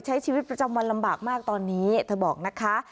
ใช้ชีวิตประจำวันลำบากมากตอนนี้เธอบอกนะคะ